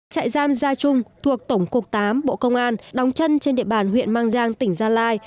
trại giam gia trung thuộc tổng cục tám bộ công an đóng chân trên địa bàn huyện mang giang tỉnh gia lai